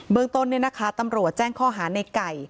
เมืองต้นตำรวจแจ้งข้อหาในไก่